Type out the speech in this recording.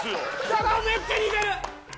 そこめっちゃ似てる！